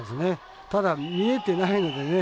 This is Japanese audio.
ただ見えてないのでね。